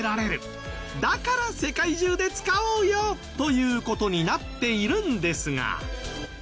だから世界中で使おうよという事になっているんですが。